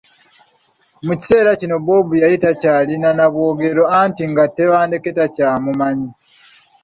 Mu kiseera kino Bob yali takyalina na bwogerero anti nga Tebandeke takyamumanyi.